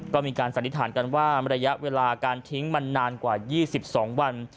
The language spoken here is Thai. ก็มีการสันนิษฐานกันว่าระยะเวลาการทิ้งมันนานกว่า๒๒วัน